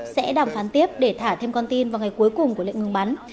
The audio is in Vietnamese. sẽ đàm phán tiếp để thả thêm con tin vào ngày cuối cùng của lệnh ngừng bắn